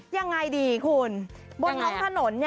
อย่างไรดิคุณบนคล้องถนน